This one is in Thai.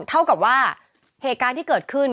เท่ากับว่าเหตุการณ์ที่เกิดขึ้น